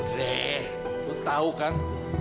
duh gue tau kan